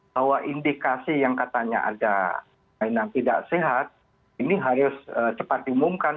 bahwa indikasi yang katanya ada mainan tidak sehat ini harus cepat diumumkan